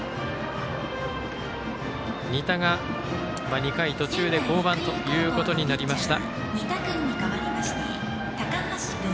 仁田が２回途中で降板ということになりました。